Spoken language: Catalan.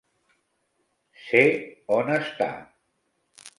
Sé on està.